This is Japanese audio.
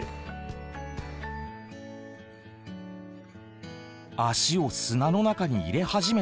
足を砂の中に入れ始めた。